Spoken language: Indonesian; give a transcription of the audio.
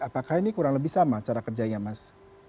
apakah ini kurang lebih sama cara kerjanya mas